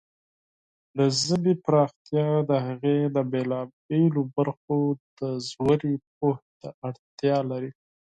د ژبې پراختیا د هغې د بېلابېلو برخو د ژورې پوهې ته اړتیا لري.